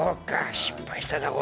失敗したな。